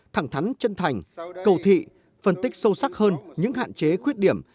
thẳng thắn chân thành cầu thị phân tích sâu sắc hơn những hạn chế khuyết điểm